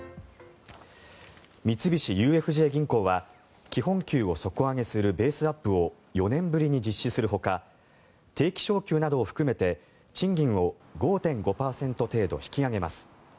三菱ＵＦＪ銀行は基本給を底上げするベースアップを４年ぶりに実施するほか定期昇給などを含めて賃金を５．５％程度引き上げます。